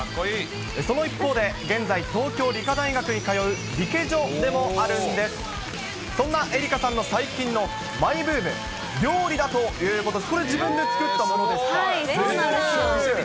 その一方で、現在、東京理科大学に通うリケジョでもあるんです。そんな愛花さんの最近のマイブーム、料理だということです。